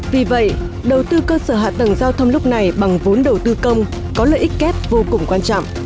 vì vậy đầu tư cơ sở hạ tầng giao thông lúc này bằng vốn đầu tư công có lợi ích kép vô cùng quan trọng